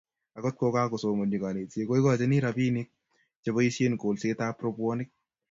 akot kokakosomonchi kanetisie koikochini robinik cheboisien kolsetab robwoniek